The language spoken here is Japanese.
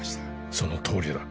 そのとおりだ